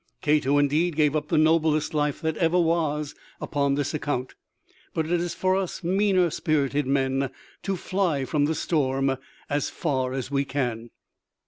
CATO indeed gave up the noblest Life that ever was upon this account, but it is for us meaner spirited men to fly from the storm as far as we can."